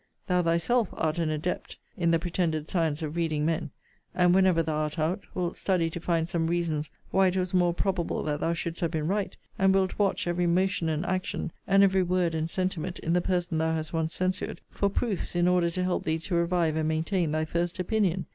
Thou thyself art an adept in the pretended science of reading men; and, whenever thou art out, wilt study to find some reasons why it was more probable that thou shouldst have been right; and wilt watch every motion and action, and every word and sentiment, in the person thou hast once censured, for proofs, in order to help thee to revive and maintain thy first opinion.